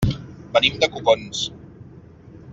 Venim de Copons.